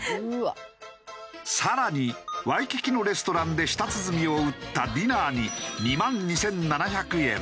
更にワイキキのレストランで舌鼓を打ったディナーに２万２７００円。